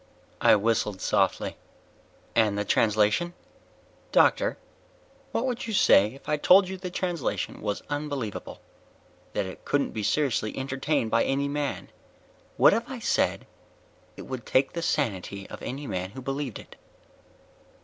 I whistled softly. "And the translation?" "Doctor, what would you say if I told you the translation was unbelievable; that it couldn't be seriously entertained by any man? What if I said that it would take the sanity of any man who believed it?"